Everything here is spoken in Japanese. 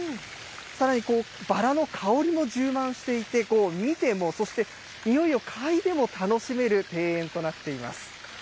さらにバラの香りも充満していて、見ても、そして、においを嗅いでも楽しめる庭園となっています。